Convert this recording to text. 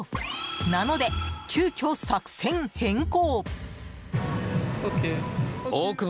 なので、急きょ作戦変更！